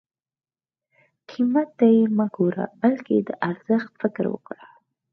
قیمت ته یې مه ګوره بلکې د ارزښت فکر وکړه.